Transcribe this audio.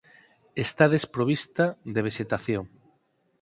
Está desprovista de vexetación.